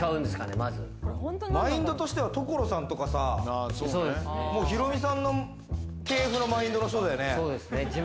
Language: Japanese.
マインドとしては所さんとかさ、ヒロミさんの系のマインドの人だよね。